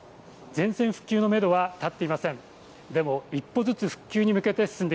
全線復旧のメドは立っていません。